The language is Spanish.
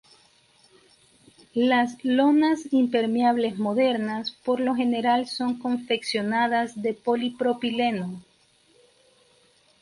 Las lonas impermeables modernas por lo general son confeccionadas de polipropileno.